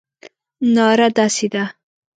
ناره داسې ده.